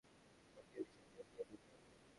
ওকে বিছানায় নিয়ে যেতে হবে।